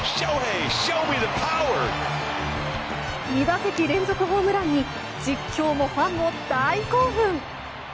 ２打席連続ホームランに実況もファンも、大興奮！